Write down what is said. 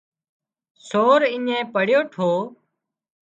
سور اڃين پڙيو ٺو